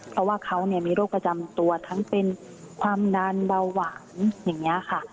เพราะว่าเขามีโรคประจำตัวทั้งเป็นความดันเบาหวานอย่างนี้ค่ะ